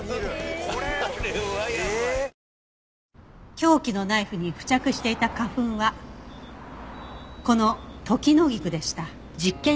凶器のナイフに付着していた花粉はこのトキノギクでした。